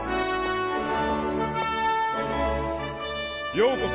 ようこそ！